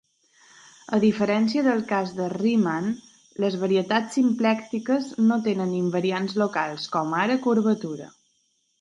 A diferència del cas de Riemann, les varietats simplèctiques no tenen invariants locals, com ara curvatura.